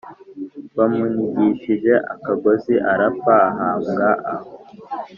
Bamunigishije akagozi arapfa ahambwa aho